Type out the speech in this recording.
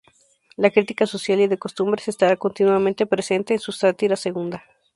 La crítica social y de costumbres estará continuamente presente en su "Sátira segunda.